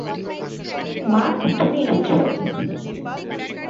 মা, তুমি এসেছো?